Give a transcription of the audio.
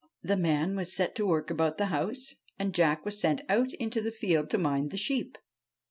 The man was set to work about the house, and Jack was sent out into the fields to mind the sheep.